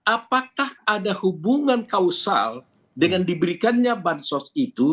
apakah ada hubungan kausal dengan diberikannya bansos itu